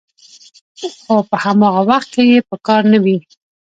خو په هماغه وخت کې یې په کار نه وي